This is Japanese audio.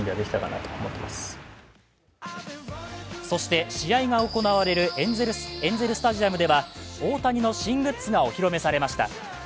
そして、試合が行われるエンゼルスタジアムでは大谷の新グッズがお披露目されました。